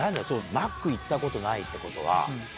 マック行ったことないってことは。